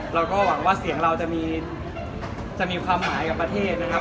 เราก็หวังว่าเสียงเราจะมีความหมายกับประเทศนะครับ